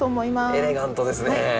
エレガントですね。